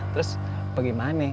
terus apa gimane